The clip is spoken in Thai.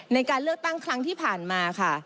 ในการเลือกตั้งครั้งที่ผ่านมาค่ะ